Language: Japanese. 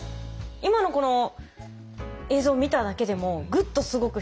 今のこの映像を見ただけでもグッとすごくひかれました。